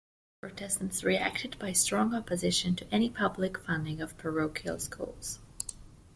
Protestants reacted by strong opposition to any public funding of parochial schools.